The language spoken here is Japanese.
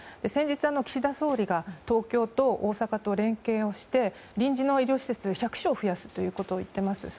先日、岸田総理が東京と大阪と連携をして臨時の医療施設１０００床増やすということを言っています。